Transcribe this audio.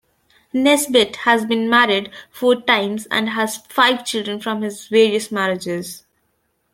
Nesbitt has been married four times and has five children from his various marriages.